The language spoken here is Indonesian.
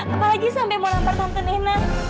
apalagi sampai mau lampar tante nena